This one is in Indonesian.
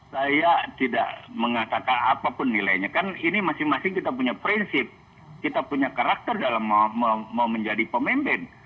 saya tidak mengatakan apapun nilainya kan ini masing masing kita punya prinsip kita punya karakter dalam mau menjadi pemimpin